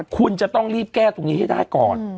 คุณจะต้องรีบแก้ตรงนี้ให้ได้ก่อน